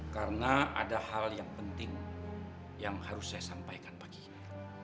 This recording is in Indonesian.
karena ada hal yang penting yang harus saya sampaikan pagi ini